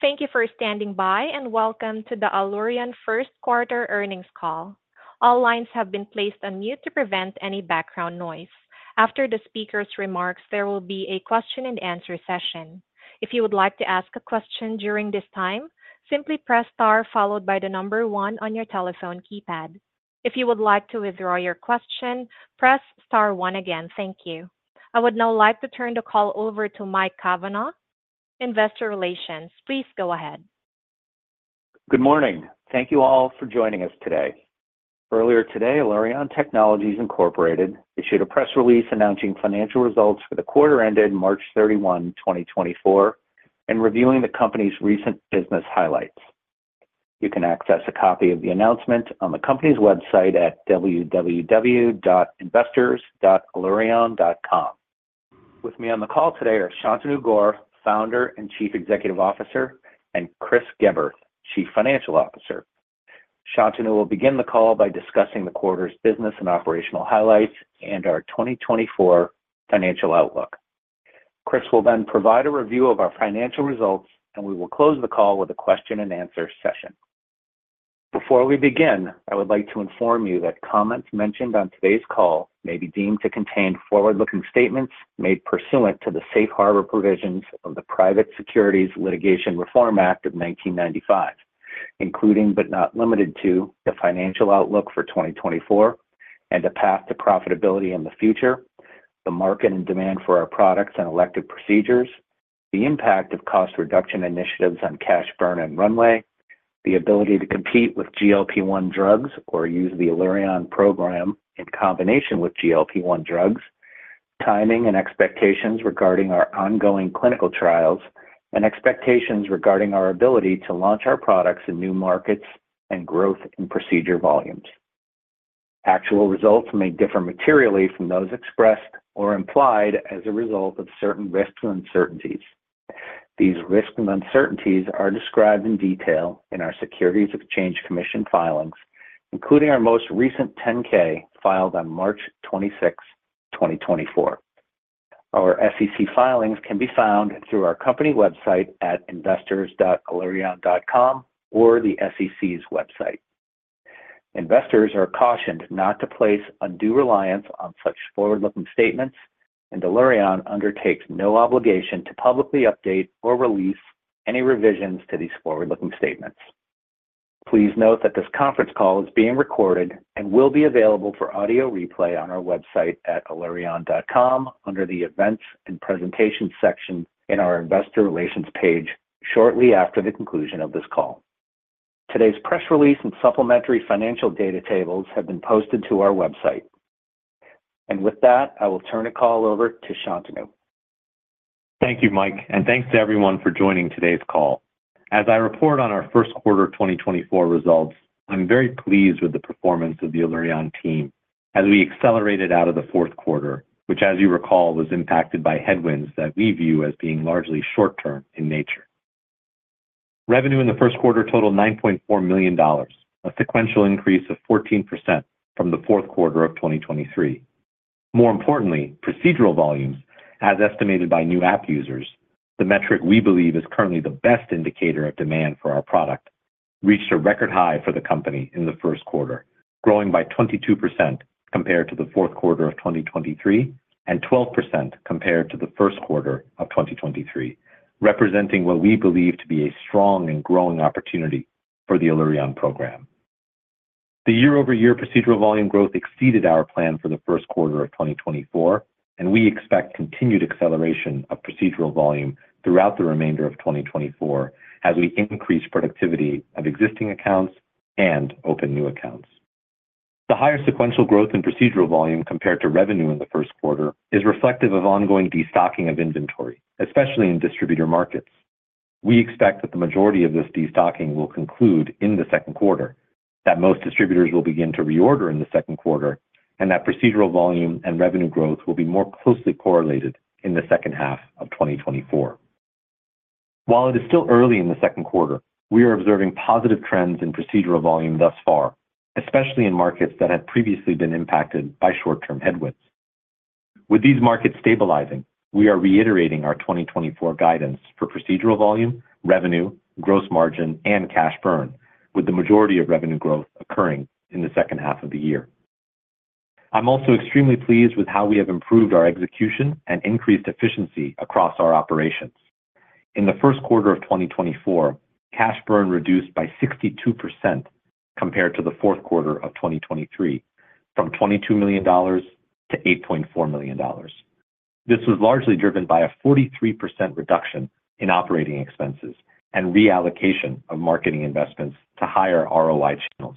Thank you for standing by and welcome to the Allurion First Quarter Earnings Call. All lines have been placed on mute to prevent any background noise. After the speaker's remarks, there will be a question-and-answer session. If you would like to ask a question during this time, simply press star followed by the number one on your telephone keypad. If you would like to withdraw your question, press star one again, thank you. I would now like to turn the call over to Mike Cavanaugh, Investor Relations. Please go ahead. Good morning. Thank you all for joining us today. Earlier today, Allurion Technologies, Inc. issued a press release announcing financial results for the quarter ended March 31, 2024, and reviewing the company's recent business highlights. You can access a copy of the announcement on the company's website at www.investors.allurion.com. With me on the call today are Shantanu Gaur, Founder and Chief Executive Officer, and Chris Geberth, Chief Financial Officer. Shantanu will begin the call by discussing the quarter's business and operational highlights and our 2024 financial outlook. Chris will then provide a review of our financial results, and we will close the call with a question-and-answer session. Before we begin, I would like to inform you that comments mentioned on today's call may be deemed to contain forward-looking statements made pursuant to the Safe Harbor provisions of the Private Securities Litigation Reform Act of 1995, including but not limited to the financial outlook for 2024 and a path to profitability in the future, the market and demand for our products and elective procedures, the impact of cost reduction initiatives on cash burn and runway, the ability to compete with GLP-1 drugs or use the Allurion program in combination with GLP-1 drugs, timing and expectations regarding our ongoing clinical trials, and expectations regarding our ability to launch our products in new markets and growth in procedure volumes. Actual results may differ materially from those expressed or implied as a result of certain risks and uncertainties. These risks and uncertainties are described in detail in our Securities and Exchange Commission filings, including our most recent 10-K filed on March 26, 2024. Our SEC filings can be found through our company website at investors.allurion.com or the SEC's website. Investors are cautioned not to place undue reliance on such forward-looking statements, and Allurion undertakes no obligation to publicly update or release any revisions to these forward-looking statements. Please note that this conference call is being recorded and will be available for audio replay on our website at allurion.com under the Events and Presentations section in our Investor Relations page shortly after the conclusion of this call. Today's press release and supplementary financial data tables have been posted to our website. With that, I will turn the call over to Shantanu. Thank you, Mike, and thanks to everyone for joining today's call. As I report on our first quarter 2024 results, I'm very pleased with the performance of the Allurion team as we accelerated out of the fourth quarter, which, as you recall, was impacted by headwinds that we view as being largely short-term in nature. Revenue in the first quarter totaled $9.4 million, a sequential increase of 14% from the fourth quarter of 2023. More importantly, procedural volumes, as estimated by new app users, the metric we believe is currently the best indicator of demand for our product, reached a record high for the company in the first quarter, growing by 22% compared to the fourth quarter of 2023 and 12% compared to the first quarter of 2023, representing what we believe to be a strong and growing opportunity for the Allurion program. The year-over-year procedural volume growth exceeded our plan for the first quarter of 2024, and we expect continued acceleration of procedural volume throughout the remainder of 2024 as we increase productivity of existing accounts and open new accounts. The higher sequential growth in procedural volume compared to revenue in the first quarter is reflective of ongoing destocking of inventory, especially in distributor markets. We expect that the majority of this destocking will conclude in the second quarter, that most distributors will begin to reorder in the second quarter, and that procedural volume and revenue growth will be more closely correlated in the second half of 2024. While it is still early in the second quarter, we are observing positive trends in procedural volume thus far, especially in markets that had previously been impacted by short-term headwinds. With these markets stabilizing, we are reiterating our 2024 guidance for procedural volume, revenue, gross margin, and cash burn, with the majority of revenue growth occurring in the second half of the year. I'm also extremely pleased with how we have improved our execution and increased efficiency across our operations. In the first quarter of 2024, cash burn reduced by 62% compared to the fourth quarter of 2023, from $22 million-$8.4 million. This was largely driven by a 43% reduction in operating expenses and reallocation of marketing investments to higher ROI channels.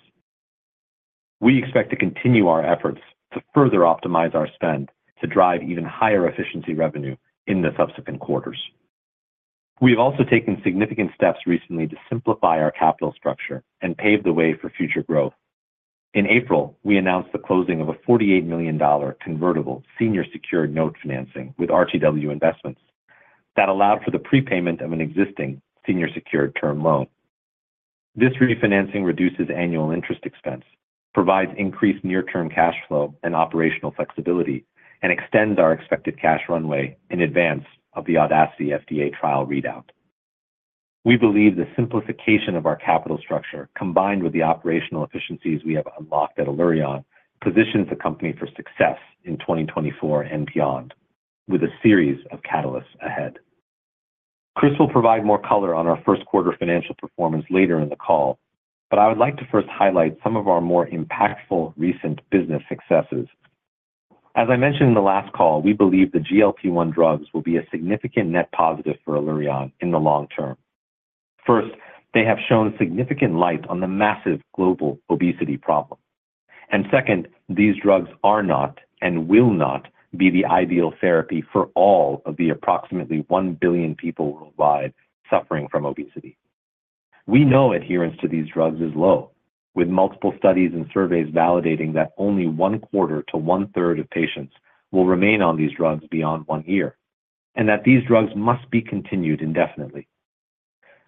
We expect to continue our efforts to further optimize our spend to drive even higher efficiency revenue in the subsequent quarters. We have also taken significant steps recently to simplify our capital structure and pave the way for future growth. In April, we announced the closing of a $48 million convertible senior-secured note financing with RTW Investments that allowed for the prepayment of an existing senior-secured term loan. This refinancing reduces annual interest expense, provides increased near-term cash flow and operational flexibility, and extends our expected cash runway in advance of the Audacity FDA trial readout. We believe the simplification of our capital structure, combined with the operational efficiencies we have unlocked at Allurion, positions the company for success in 2024 and beyond, with a series of catalysts ahead. Chris will provide more color on our first quarter financial performance later in the call, but I would like to first highlight some of our more impactful recent business successes. As I mentioned in the last call, we believe the GLP-1 drugs will be a significant net positive for Allurion in the long term. First, they have shown significant light on the massive global obesity problem. And second, these drugs are not and will not be the ideal therapy for all of the approximately 1 billion people worldwide suffering from obesity. We know adherence to these drugs is low, with multiple studies and surveys validating that only one-quarter to one-third of patients will remain on these drugs beyond one year, and that these drugs must be continued indefinitely.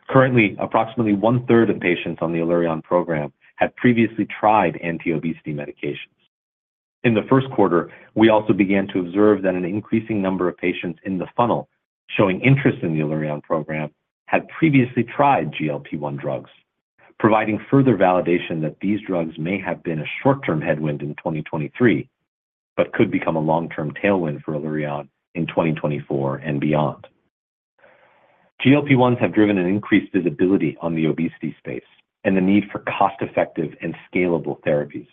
Currently, approximately one-third of patients on the Allurion Program had previously tried anti-obesity medications. In the first quarter, we also began to observe that an increasing number of patients in the funnel showing interest in the Allurion Program had previously tried GLP-1 drugs, providing further validation that these drugs may have been a short-term headwind in 2023 but could become a long-term tailwind for Allurion in 2024 and beyond. GLP-1s have driven an increased visibility on the obesity space and the need for cost-effective and scalable therapies.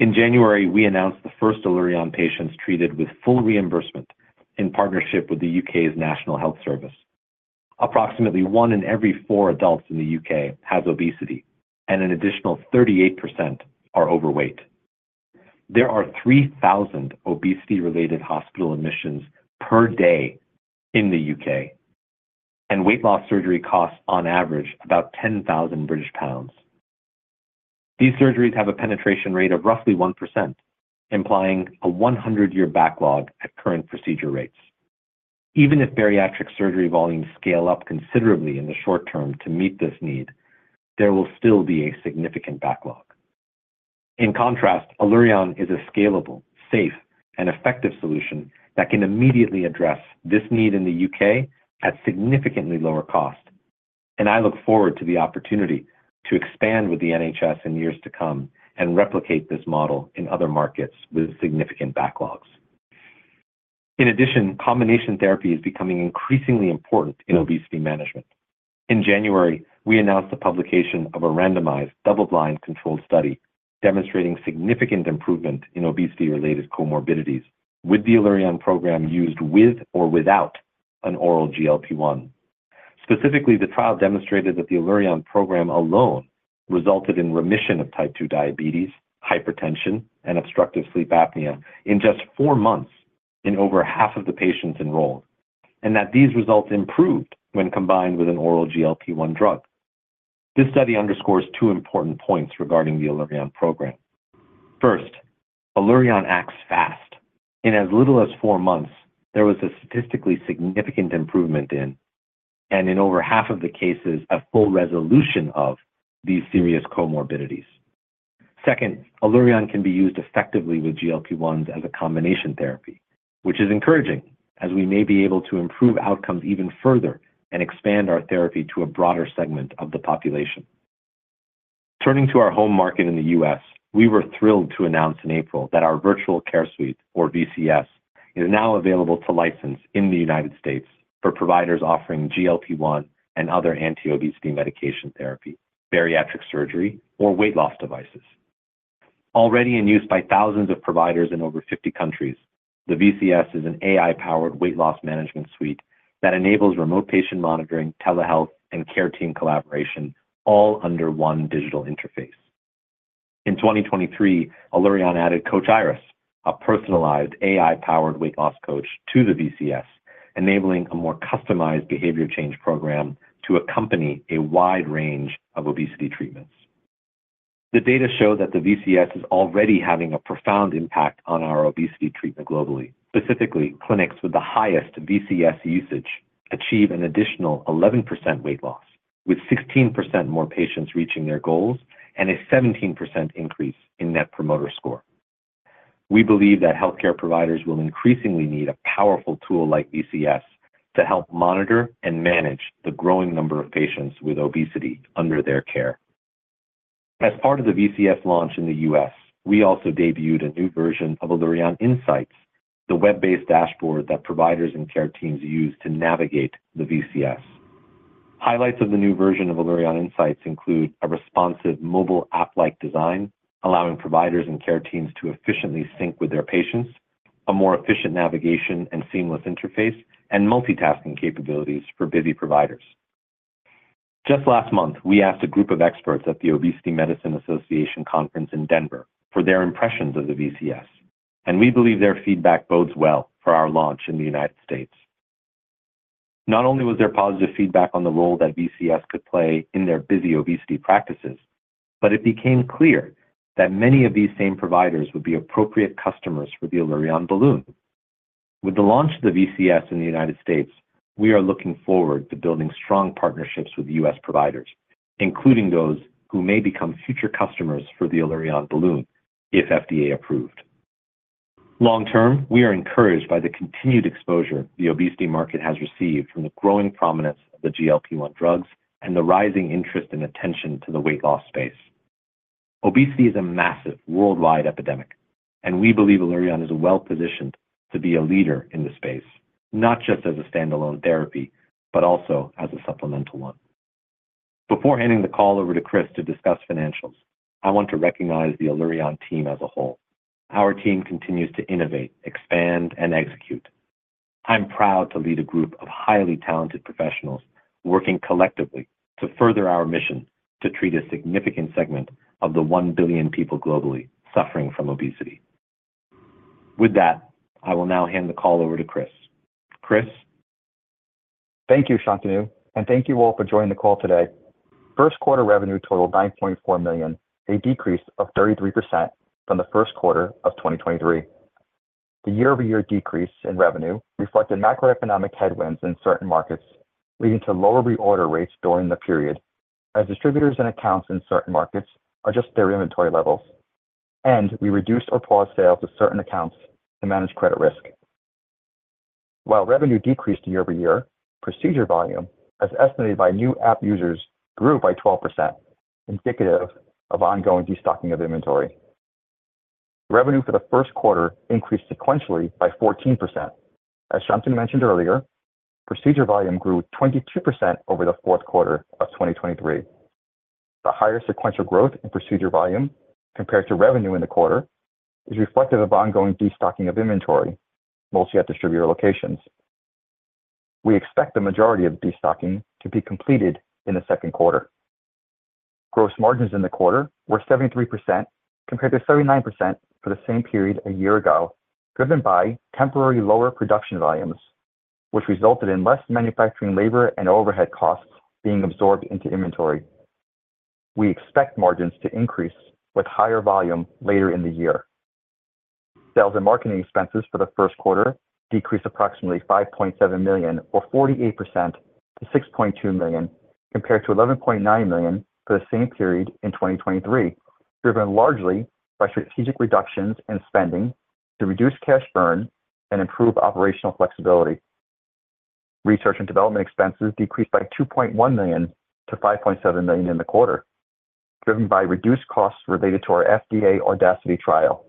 In January, we announced the first Allurion patients treated with full reimbursement in partnership with the UK's National Health Service. Approximately one in every four adults in the U.K. has obesity, and an additional 38% are overweight. There are 3,000 obesity-related hospital admissions per day in the U.K., and weight loss surgery costs, on average, about 10,000 British pounds. These surgeries have a penetration rate of roughly 1%, implying a 100-year backlog at current procedure rates. Even if bariatric surgery volumes scale up considerably in the short term to meet this need, there will still be a significant backlog. In contrast, Allurion is a scalable, safe, and effective solution that can immediately address this need in the U.K. at significantly lower cost, and I look forward to the opportunity to expand with the NHS in years to come and replicate this model in other markets with significant backlogs. In addition, combination therapy is becoming increasingly important in obesity management. In January, we announced the publication of a randomized, double-blind controlled study demonstrating significant improvement in obesity-related comorbidities with the Allurion program used with or without an oral GLP-1. Specifically, the trial demonstrated that the Allurion program alone resulted in remission of type 2 diabetes, hypertension, and obstructive sleep apnea in just four months in over half of the patients enrolled, and that these results improved when combined with an oral GLP-1 drug. This study underscores two important points regarding the Allurion program. First, Allurion acts fast. In as little as 4 months, there was a statistically significant improvement in, and in over half of the cases, a full resolution of these serious comorbidities. Second, Allurion can be used effectively with GLP-1s as a combination therapy, which is encouraging, as we may be able to improve outcomes even further and expand our therapy to a broader segment of the population. Turning to our home market in the U.S., we were thrilled to announce in April that our Virtual Care Suite, or VCS, is now available to license in the United States for providers offering GLP-1 and other anti-obesity medication therapy, bariatric surgery, or weight loss devices. Already in use by thousands of providers in over 50 countries, the VCS is an AI-powered weight loss management suite that enables remote patient monitoring, telehealth, and care team collaboration all under one digital interface. In 2023, Allurion added Coach Iris, a personalized, AI-powered weight loss coach, to the VCS, enabling a more customized behavior change program to accompany a wide range of obesity treatments. The data show that the VCS is already having a profound impact on our obesity treatment globally. Specifically, clinics with the highest VCS usage achieve an additional 11% weight loss, with 16% more patients reaching their goals and a 17% increase in Net Promoter Score. We believe that healthcare providers will increasingly need a powerful tool like VCS to help monitor and manage the growing number of patients with obesity under their care. As part of the VCS launch in the U.S., we also debuted a new version of Allurion Insights, the web-based dashboard that providers and care teams use to navigate the VCS. Highlights of the new version of Allurion Insights include a responsive mobile app-like design allowing providers and care teams to efficiently sync with their patients, a more efficient navigation and seamless interface, and multitasking capabilities for busy providers. Just last month, we asked a group of experts at the Obesity Medicine Association conference in Denver for their impressions of the VCS, and we believe their feedback bodes well for our launch in the United States. Not only was there positive feedback on the role that VCS could play in their busy obesity practices, but it became clear that many of these same providers would be appropriate customers for the Allurion balloon. With the launch of the VCS in the United States, we are looking forward to building strong partnerships with US providers, including those who may become future customers for the Allurion balloon if FDA approved. Long-term, we are encouraged by the continued exposure the obesity market has received from the growing prominence of the GLP-1 drugs and the rising interest and attention to the weight loss space. Obesity is a massive, worldwide epidemic, and we believe Allurion is well positioned to be a leader in the space, not just as a standalone therapy but also as a supplemental one. Before handing the call over to Chris to discuss financials, I want to recognize the Allurion team as a whole. Our team continues to innovate, expand, and execute. I'm proud to lead a group of highly talented professionals working collectively to further our mission to treat a significant segment of the 1 billion people globally suffering from obesity. With that, I will now hand the call over to Chris. Chris? Thank you, Shantanu, and thank you, all, for joining the call today. First quarter revenue totaled $9.4 million, a decrease of 33% from the first quarter of 2023. The year-over-year decrease in revenue reflected macroeconomic headwinds in certain markets, leading to lower reorder rates during the period, as distributors and accounts in certain markets adjust their inventory levels, and we reduced or paused sales to certain accounts to manage credit risk. While revenue decreased year-over-year, procedure volume, as estimated by new app users, grew by 12%, indicative of ongoing destocking of inventory. Revenue for the first quarter increased sequentially by 14%. As Shantanu mentioned earlier, procedure volume grew 22% over the fourth quarter of 2023. The higher sequential growth in procedure volume compared to revenue in the quarter is reflective of ongoing destocking of inventory, mostly at distributor locations. We expect the majority of the destocking to be completed in the second quarter. Gross margins in the quarter were 73% compared to 79% for the same period a year ago, driven by temporary lower production volumes, which resulted in less manufacturing labor and overhead costs being absorbed into inventory. We expect margins to increase with higher volume later in the year. Sales and marketing expenses for the first quarter decreased approximately $5.7 million, or 48%, to $6.2 million compared to $11.9 million for the same period in 2023, driven largely by strategic reductions in spending to reduce cash burn and improve operational flexibility. Research and development expenses decreased by $2.1 million to $5.7 million in the quarter, driven by reduced costs related to our FDA Audacity trial.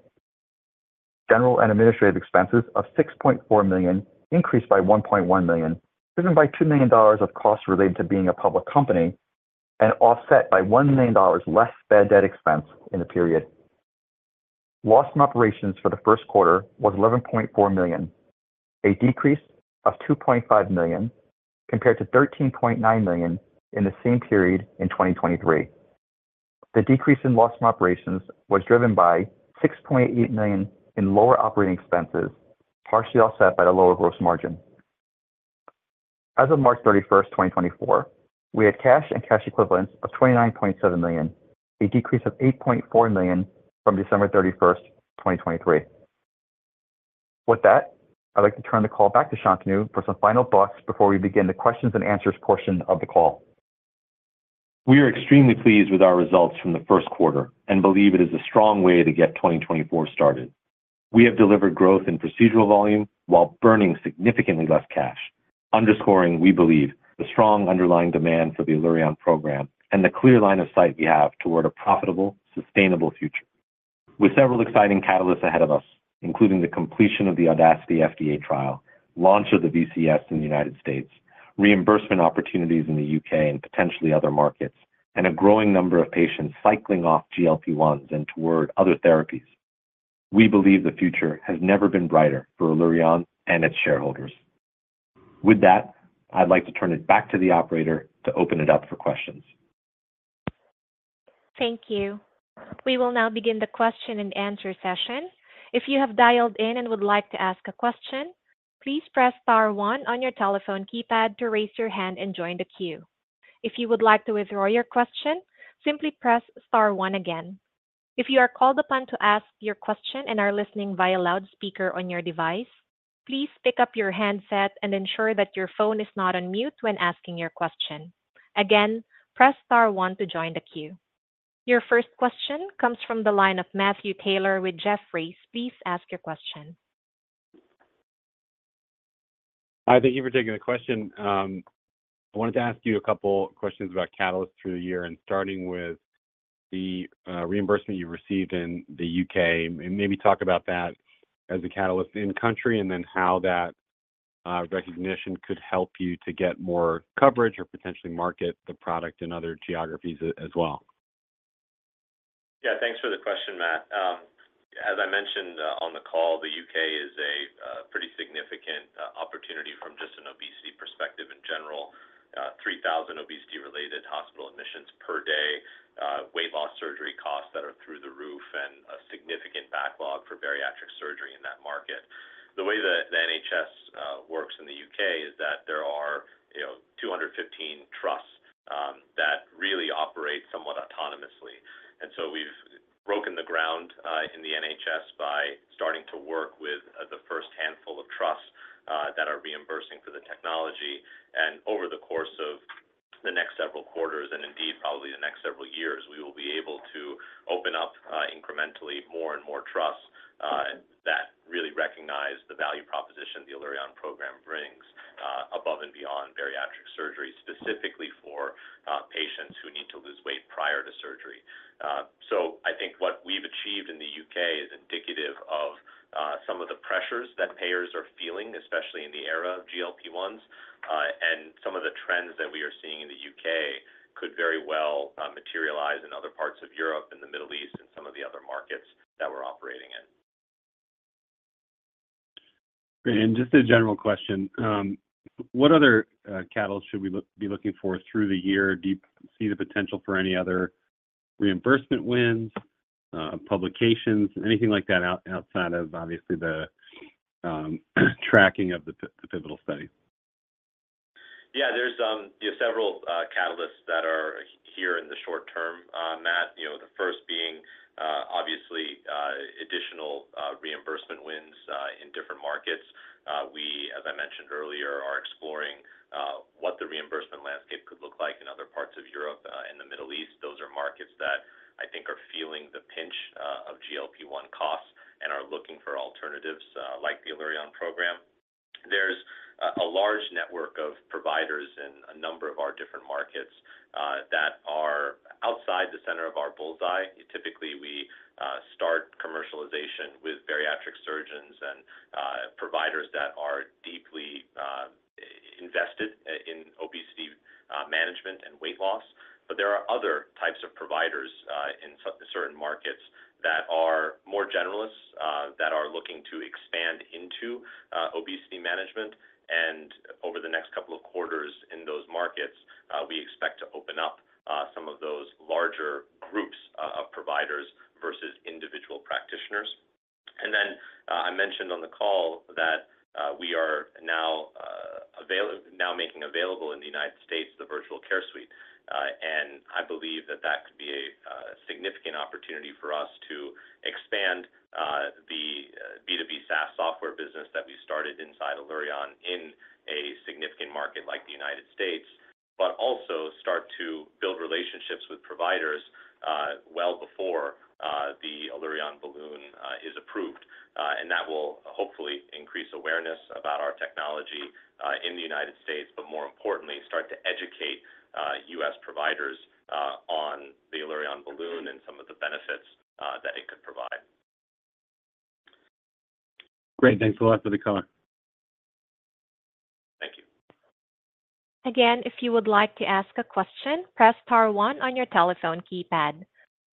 General and administrative expenses of $6.4 million increased by $1.1 million, driven by $2 million of costs related to being a public company and offset by $1 million less bad debt expense in the period. Loss from operations for the first quarter was $11.4 million, a decrease of $2.5 million compared to $13.9 million in the same period in 2023. The decrease in loss from operations was driven by $6.8 million in lower operating expenses, partially offset by the lower gross margin. As of March 31, 2024, we had cash and cash equivalents of $29.7 million, a decrease of $8.4 million from December 31, 2023. With that, I'd like to turn the call back to Shantanu for some final thoughts before we begin the questions and answers portion of the call. We are extremely pleased with our results from the first quarter and believe it is a strong way to get 2024 started. We have delivered growth in procedural volume while burning significantly less cash, underscoring, we believe, the strong underlying demand for the Allurion Program and the clear line of sight we have toward a profitable, sustainable future. With several exciting catalysts ahead of us, including the completion of the Audacity FDA trial, launch of the VCS in the United States, reimbursement opportunities in the U.K. and potentially other markets, and a growing number of patients cycling off GLP-1s and toward other therapies, we believe the future has never been brighter for Allurion and its shareholders. With that, I'd like to turn it back to the operator to open it up for questions. Thank you. We will now begin the question and answer session. If you have dialed in and would like to ask a question, please press star one on your telephone keypad to raise your hand and join the queue. If you would like to withdraw your question, simply press star one again. If you are called upon to ask your question and are listening via loudspeaker on your device, please pick up your handset and ensure that your phone is not on mute when asking your question. Again, press star one to join the queue. Your first question comes from the line of Matthew Taylor with Jefferies. Please ask your question. Hi, thank you for taking the question. I wanted to ask you a couple of questions about catalysts through the year, starting with the reimbursement you received in the U.K., and maybe talk about that as a catalyst in-country and then how that recognition could help you to get more coverage or potentially market the product in other geographies as well. Yeah, thanks for the question, Matt. As I mentioned on the call, the U.K. is a pretty significant opportunity from just an obesity perspective in general: 3,000 obesity-related hospital admissions per day, weight loss surgery costs that are through the roof, and a significant backlog for bariatric surgery in that market. The way the NHS works in the U.K. is that there are 215 trusts that really operate somewhat autonomously. And so we've broken the ground in the NHS by starting to work with the first handful of trusts that are reimbursing for the technology. And over the course of the next several quarters and indeed probably the next several years, we will be able to open up incrementally more and more trusts that really recognize the value proposition the Allurion Program brings above and beyond bariatric surgery, specifically for patients who need to lose weight prior to surgery. So I think what we've achieved in the U.K. is indicative of some of the pressures that payers are feeling, especially in the era of GLP-1s, and some of the trends that we are seeing in the U.K. could very well materialize in other parts of Europe, in the Middle East, and some of the other markets that we're operating in. Great. Just a general question: what other catalysts should we be looking for through the year? Do you see the potential for any other reimbursement wins, publications, anything like that outside of, obviously, the tracking of the pivotal study? Yeah, there are several catalysts that are here in the short term, Matt, the first being, obviously, additional reimbursement wins in different markets. We, as I mentioned earlier, are exploring what the reimbursement landscape could look like in other parts of Europe and the Middle East. Those are markets that I think are feeling the pinch of GLP-1 costs and are looking for alternatives like the Allurion Program. There's a large network of providers in a number of our different markets that are outside the center of our bull's eye. Typically, we start commercialization with bariatric surgeons and providers that are deeply invested in obesity management and weight loss. But there are other types of providers in certain markets that are more generalists, that are looking to expand into obesity management. Over the next couple of quarters in those markets, we expect to open up some of those larger groups of providers versus individual practitioners. Then I mentioned on the call that we are now making available in the United States the Virtual Care Suite, and I believe that that could be a significant opportunity for us to expand the B2B SaaS software business that we started inside Allurion in a significant market like the United States, but also start to build relationships with providers well before the Allurion Balloon is approved. That will hopefully increase awareness about our technology in the United States, but more importantly, start to educate U.S. providers on the Allurion Balloon and some of the benefits that it could provide. Great. Thanks a lot for the call. Thank you. Again, if you would like to ask a question, press star one on your telephone keypad.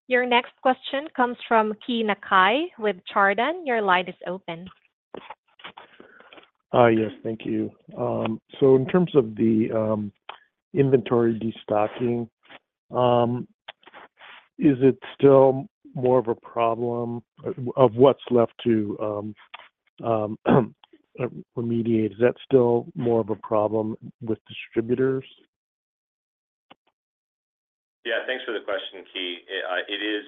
Your next question comes from Keay Nakae with Chardan. Your line is open. Yes, thank you. So in terms of the inventory destocking, is it still more of a problem of what's left to remediate? Is that still more of a problem with distributors? Yeah, thanks for the question, Keay. It is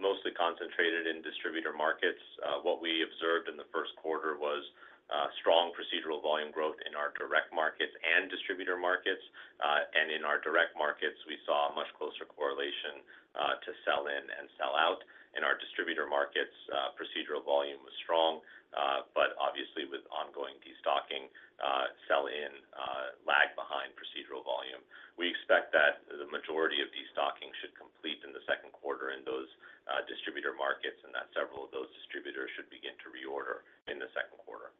mostly concentrated in distributor markets. What we observed in the first quarter was strong procedural volume growth in our direct markets and distributor markets. And in our direct markets, we saw a much closer correlation to sell-in and sell-out. In our distributor markets, procedural volume was strong, but obviously, with ongoing destocking, sell-in lagged behind procedural volume. We expect that the majority of destocking should complete in the second quarter in those distributor markets, and that several of those distributors should begin to reorder in the second quarter.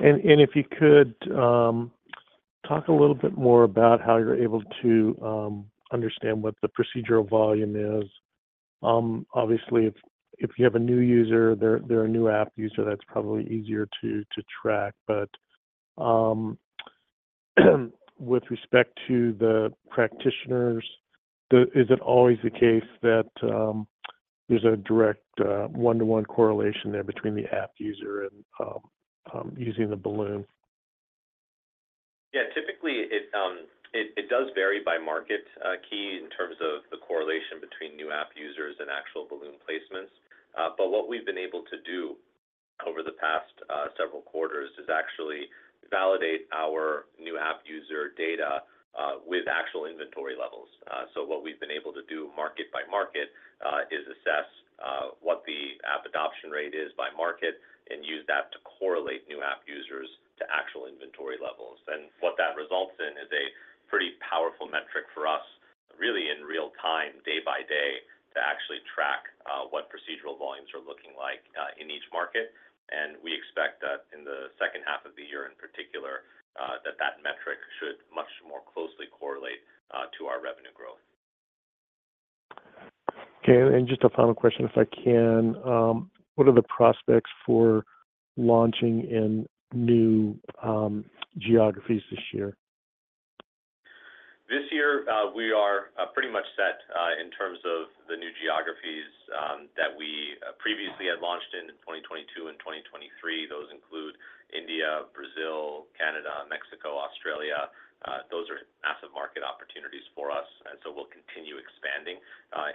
If you could talk a little bit more about how you're able to understand what the procedural volume is. Obviously, if you have a new user, they're a new app user, that's probably easier to track. But with respect to the practitioners, is it always the case that there's a direct one-to-one correlation there between the app user and using the balloon? Yeah, typically, it does vary by market, Keay, in terms of the correlation between new app users and actual balloon placements. But what we've been able to do over the past several quarters is actually validate our new app user data with actual inventory levels. So what we've been able to do market by market is assess what the app adoption rate is by market and use that to correlate new app users to actual inventory levels. And what that results in is a pretty powerful metric for us, really in real time, day by day, to actually track what procedural volumes are looking like in each market. And we expect that in the second half of the year in particular, that that metric should much more closely correlate to our revenue growth. Okay. Just a final question, if I can. What are the prospects for launching in new geographies this year? This year, we are pretty much set in terms of the new geographies that we previously had launched in 2022 and 2023. Those include India, Brazil, Canada, Mexico, Australia. Those are massive market opportunities for us, and so we'll continue expanding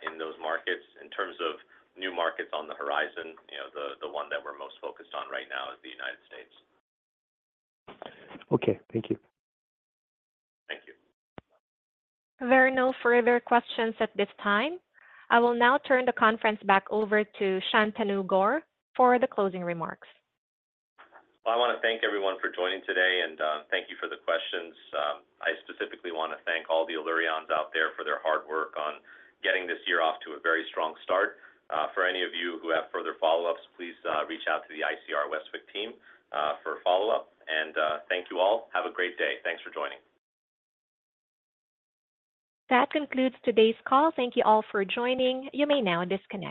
in those markets. In terms of new markets on the horizon, the one that we're most focused on right now is the United States. Okay. Thank you. Thank you. There are no further questions at this time. I will now turn the conference back over to Shantanu Gaur for the closing remarks. Well, I want to thank everyone for joining today, and thank you for the questions. I specifically want to thank all the Allurions out there for their hard work on getting this year off to a very strong start. For any of you who have further follow-ups, please reach out to the ICR Westwicke team for follow-up. Thank you all. Have a great day. Thanks for joining. That concludes today's call. Thank you all for joining. You may now disconnect.